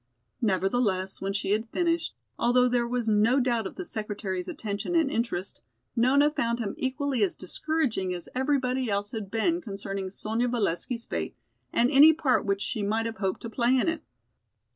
Nevertheless, when she had finished, although there was no doubt of the secretary's attention and interest, Nona found him equally as discouraging as everybody else had been concerning Sonya Valesky's fate and any part which she might have hoped to play in it.